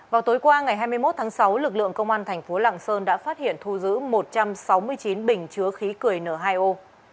vào tối qua ngày hai mươi một tháng sáu lực lượng công an thành phố lạng sơn đã phát hiện thu giữ một trăm sáu mươi chín bình chứa khí cười n hai o